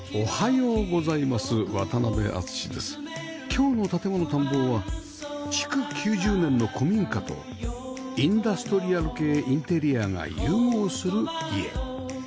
今日の『建もの探訪』は築９０年の古民家とインダストリアル系インテリアが融合する家